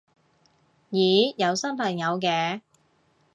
咦有新朋友嘅